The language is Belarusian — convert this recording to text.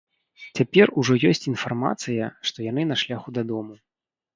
Цяпер ужо ёсць інфармацыя, што яны на шляху дадому.